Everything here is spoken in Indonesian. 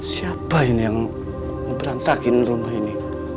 siapa ini yang memberantakin rumah ini